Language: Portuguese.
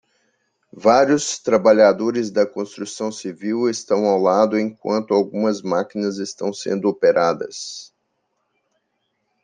Vários trabalhadores da construção civil estão ao lado enquanto algumas máquinas estão sendo operadas.